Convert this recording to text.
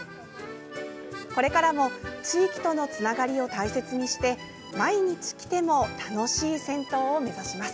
これからも地域とのつながりを大切にして毎日来ても楽しい銭湯を目指します。